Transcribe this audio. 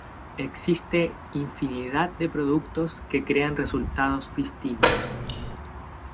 Existe infinidad de productos que crean resultados distintos.